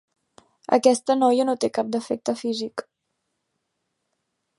Aquesta noia no té cap defecte físic.